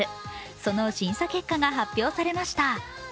その審査結果が発表されました。